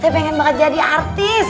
dia pengen banget jadi artis